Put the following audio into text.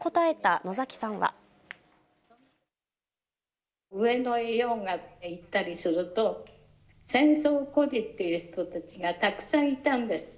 上野へ用があって行ったりすると、戦争孤児っていう人たちがたくさんいたんです。